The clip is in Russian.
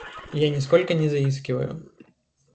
Я нисколько не заискиваю.